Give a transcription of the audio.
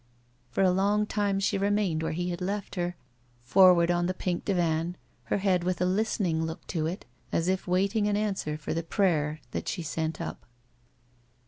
'* For a long time she remained where he had left her, forward on the pink divan, her head with a listening look to it, as if waiting an answer for the prayers that she sent up.